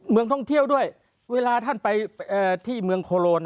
เมืองท่องเที่ยวด้วยเวลาท่านไปที่เมืองโคโลน